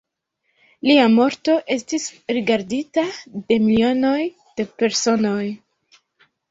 Lia morto estis rigardita de milionoj de personoj.